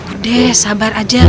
udah sabar aja